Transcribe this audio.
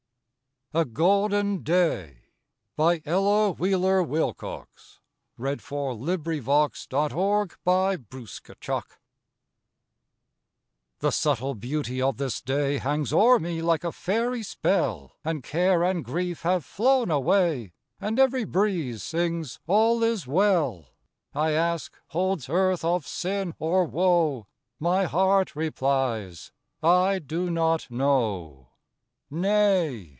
A Golden Day An Ella Wheeler Wilcox Poem A GOLDEN DAY The subtle beauty of this day Hangs o'er me like a fairy spell, And care and grief have flown away, And every breeze sings, "All is well." I ask, "Holds earth of sin, or woe?" My heart replies, "I do not know." Nay!